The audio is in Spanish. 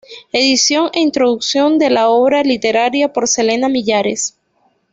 Edición e introducción de la obra literaria por Selena Millares.